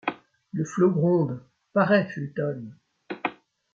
Le flot gronde ; parais, Fulton !